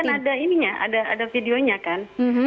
kan ada videonya kan